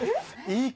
いい」